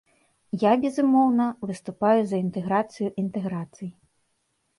Я, безумоўна, выступаю за інтэграцыю інтэграцый.